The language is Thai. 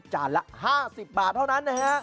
จานละ๕๐บาทเท่านั้น